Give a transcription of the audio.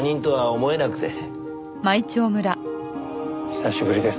久しぶりです